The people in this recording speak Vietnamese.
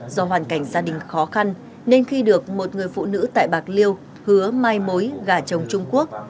do hoàn cảnh gia đình khó khăn nên khi được một người phụ nữ tại bạc liêu hứa mai mối gả chồng trung quốc